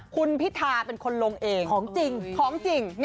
คุณพิธาเป็นคนลงเองของจริง